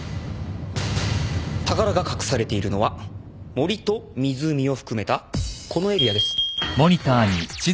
宝が隠されているのは森と湖を含めたこのエリアです。